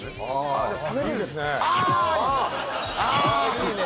いいね。